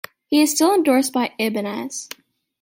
He is still endorsed by Ibanez.